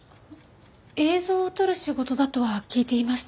映像を撮る仕事だとは聞いていましたけど。